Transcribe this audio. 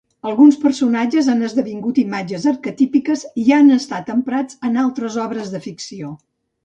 Alguns personatges han esdevingut imatges arquetípiques i han estat emprats en altres obres de ficció.